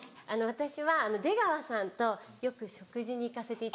私は出川さんとよく食事に行かせていただくんです。